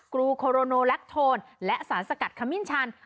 กรูโคโรโนแลคโทนและสารสกัดขมิ้นชัน